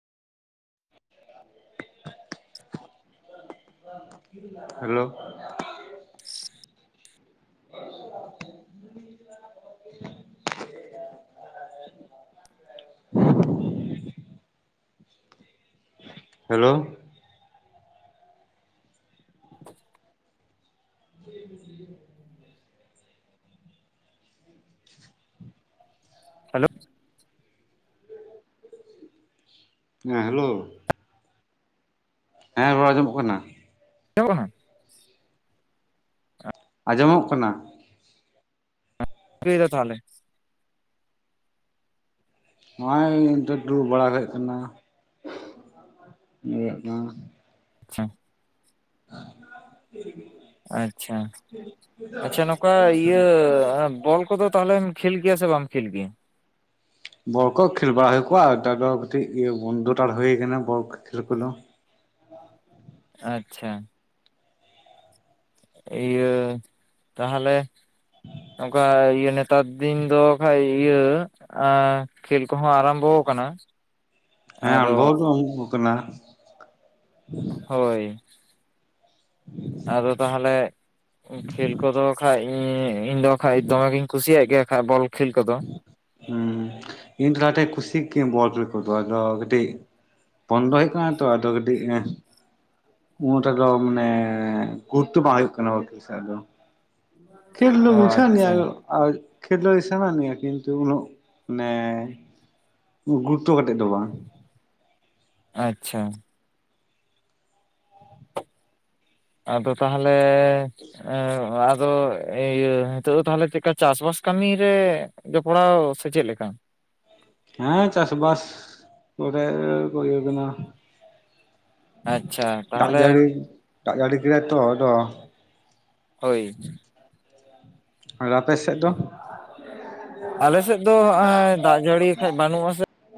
Hello. [inaudible] [inaudible] Hello. [unintelligible] Hello. ᱦᱮᱸ hello. ᱦᱮᱸ ᱨᱚᱲ ᱟᱸᱡᱚᱢᱚᱜ ᱠᱟᱱᱟ᱾ ᱟᱸᱡᱟᱢᱚᱜ ᱠᱟᱱᱟ? ᱟᱸᱡᱚᱢᱚᱜ ᱠᱟᱱᱟ᱾ ᱪᱤᱠᱟᱹᱭᱫᱟ ᱛᱟᱦᱚᱞᱮ? ᱱᱚᱜ-ᱚᱭ ᱱᱤᱛ ᱫᱟ ᱫᱩᱲᱩᱵ ᱵᱟᱲᱟ ᱦᱟᱭᱳᱜ ᱠᱟᱱᱟ [unintelligible] ᱠᱟᱱᱟ᱾ ᱟᱪᱪᱷᱟ᱾ [inaudible] ᱟᱪᱪᱷᱟ᱾ ᱟᱪᱪᱷᱟ ᱱᱚ ᱠᱟ ᱤᱭᱟᱹ ᱵᱚᱞ ᱠᱚᱫᱚ ᱛᱟᱦᱚᱞᱮᱢ ᱠᱷᱮᱞ ᱜᱮᱭᱟ ᱥᱮ ᱵᱟᱢ ᱠᱷᱮᱞ ᱜᱮᱭᱟ? ᱵᱟᱞᱠᱚ ᱠᱷᱮᱞ ᱵᱟᱲᱟ ᱦᱩᱭᱩᱜ ᱠᱚᱣᱟᱟᱹ ᱦᱮᱛᱟᱨ ᱫᱟ ᱠᱟᱴᱤᱡ ᱤᱭᱟᱹ ᱵᱚᱱᱫᱩ ᱦᱟᱛᱟᱲ ᱦᱩᱭ ᱠᱟᱱᱟ ᱵᱚᱞ ᱠᱷᱮᱞ ᱠᱚᱫᱚ᱾ ᱟᱪᱪᱷᱟ᱾ ᱤᱭᱟᱹ ᱛᱟᱦᱚᱞᱮ ᱱᱚᱝᱠᱟ ᱤᱭᱟᱹ ᱱᱮ ᱱᱮᱛᱟᱨ ᱫᱤᱱ ᱫᱚ ᱠᱷᱟᱡ ᱤᱭᱟᱹ ᱟᱸ ᱠᱷᱮᱞ ᱠᱚᱦᱚᱸ ᱟᱨᱟᱢᱵᱚᱣ ᱟᱠᱟᱱᱟ᱾ ᱦᱮᱸ ᱟᱫᱚ ᱟᱸᱬᱵᱷᱚ ᱫᱚ [unintelligible] ᱠᱟᱱᱟ᱾ ᱦᱳᱭ᱾ ᱟᱫᱚ ᱛᱟᱦᱚᱞᱮ, ᱠᱷᱮᱞ ᱠᱚᱫᱚ ᱠᱷᱟᱡ ᱤᱧ ᱤᱧ ᱫᱚ ᱵᱟᱠᱷᱟᱡ ᱫᱚᱢᱮ ᱜᱤᱧ ᱠᱩᱥᱤᱭᱟᱜ ᱜᱮᱭᱟ ᱠᱷᱟᱡ। ᱵᱚᱞ ᱠᱷᱮᱞ ᱠᱚᱫᱚ। ᱦᱩᱸ, ᱤᱧ ᱛᱷᱚᱲᱟ ᱠᱟᱹᱴᱤᱡ ᱠᱷᱩᱥᱤ ᱠᱤᱭᱟᱹᱧ ᱵᱳᱞ ᱠᱷᱮᱞ ᱠᱚᱫᱚ ᱟᱫᱚ ᱠᱟᱹᱴᱤᱡ ᱵᱚᱱᱫᱚ ᱦᱩᱭᱩᱜ ᱠᱟᱱᱟ ᱛᱚ, ᱟᱫᱚ ᱠᱟᱹᱴᱤᱡ ᱮᱸᱼᱼ ᱩᱱᱟᱹᱜᱴᱚ ᱫᱚ ᱢᱟᱱᱮ ᱜᱩᱨᱩᱛᱛᱚ ᱵᱟᱝ ᱦᱩᱭᱩᱜ ᱠᱟᱱᱟ ᱵᱳᱞ ᱠᱷᱮᱞ ᱥᱮᱫ ᱫᱚ। ᱠᱷᱮᱞ ᱫᱚ ᱚ ᱵᱩᱡᱷᱟᱣ ᱟᱪᱪᱷᱟ ᱟᱱᱤᱡ-ᱟ [unintelligible] [unintelligible] ᱠᱤᱱᱛᱩ ᱩᱱᱟᱹᱜ ᱢᱟᱱᱮ ᱜᱩᱨᱩᱛᱽᱛᱚ ᱠᱟᱛᱮᱫ ᱫᱚ ᱵᱟᱝ। ᱟᱪᱪᱷᱟ᱾ ᱟᱫᱚ ᱛᱟᱦᱟᱞᱮ, ᱮᱸ ᱟᱫᱚ ᱤᱭᱟᱹ ᱦᱤᱛᱚᱜ ᱫᱚ ᱛᱟᱦᱚᱞᱮ ᱪᱮᱫᱠᱟ ᱪᱟᱥᱵᱟᱥ ᱠᱟᱹᱢᱤ ᱨᱮ ᱡᱚᱯᱲᱟᱣ ᱥᱮ ᱪᱮᱫ ᱞᱮᱠᱟ? ᱦᱮᱸ ᱪᱟᱥ ᱵᱟᱥ ᱠᱚᱨᱮ ᱠᱚ ᱤᱭᱟᱹ ᱠᱟᱱᱟ। ᱟᱪᱪᱷᱟ ᱫᱟᱜ ᱛᱟᱦᱚᱞᱮ ᱡᱟᱹᱲᱤ, ᱫᱟᱜ ᱡᱟᱹᱲᱤ ᱠᱮᱫᱟᱭ ᱛᱚ ᱟᱫᱚ᱾ ᱦᱳᱭ। ᱟᱨ ᱟᱯᱮ ᱥᱮᱫ ᱫᱚ? ᱟᱞᱮᱥᱮᱫ ᱫᱚ ᱦᱟᱸᱜ-ᱟᱭ ᱫᱟᱜ ᱡᱟᱹᱲᱤ ᱦᱟᱠᱷᱟᱡ ᱵᱟᱹᱱᱩᱜ ᱟᱥᱮ।